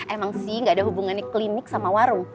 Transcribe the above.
emang sih gak ada hubungannya klinik sama warung